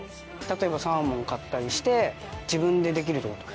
例えばサーモン買ったりして自分でできるってこと？